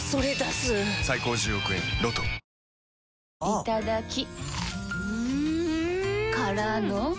いただきっ！